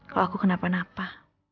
kalau aku kenapa napa